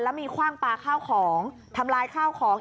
แล้วมีฮ่างปลาทำร้ายข้าวของ